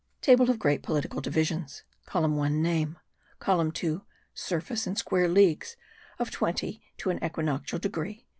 TABLE OF GREAT POLITICAL DIVISIONS. COLUMN 1 : NAME. COLUMN 2 : SURFACE IN SQUARE LEAGUES OF 20 TO AN EQUINOCTIAL DEGREE.